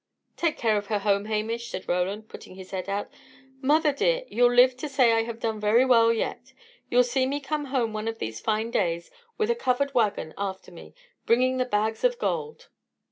"Take care of her home, Hamish," said Roland, putting his head out. "Mother dear, you'll live to say I have done well, yet. You'll see me come home, one of these fine days, with a covered waggon after me, bringing the bags of gold."